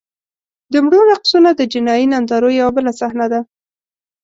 د مړو رقصونه د جنایي نندارو یوه بله صحنه ده.